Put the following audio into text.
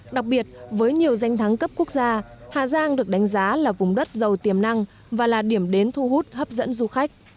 đặc biệt với nhiều danh thắng cấp quốc gia hà giang được đánh giá là vùng đất giàu tiềm năng và là điểm đến thu hút hấp dẫn du khách